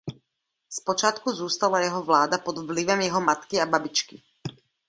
Zpočátku zůstala jeho vláda pod vlivem jeho matky a babičky.